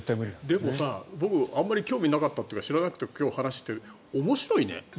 でも、僕あまり興味なかったというか知らなくて今日話を聞いて面白いね。